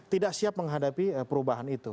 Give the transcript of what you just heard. tidak siap menghadapi perubahan itu